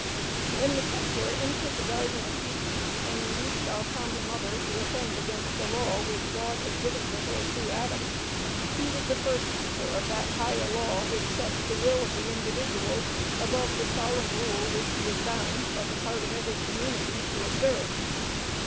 When the tempter entered the garden of Eden and induced our common mother to offend against the law which God had given to her through Adam, he was the first teacher of that "higher law" which sets the will of the individual above the solemn rule which he is bound, as a part of every community, to observe.